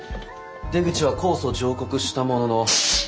出口は控訴上告したものの。